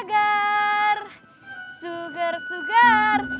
sugar sugar susu segar